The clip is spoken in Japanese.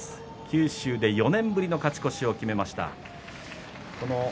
九州で４年ぶりの勝ち越しを決めました。